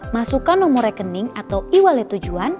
masukkan nomor rekening atau e walet tujuan